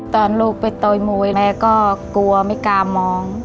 ตอนลูกไปโตยมวยแม่ก็กลัวไม่กล้ามอง